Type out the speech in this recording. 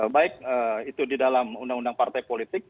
baik itu di dalam undang undang partai politik